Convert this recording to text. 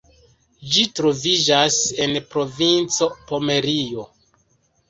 Ĝi troviĝas en provinco Pomerio.